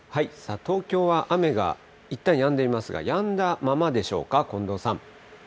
東京は雨がいったんやんでいますが、やんだままでしょうか。